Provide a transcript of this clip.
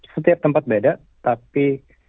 setiap tempat beda tapi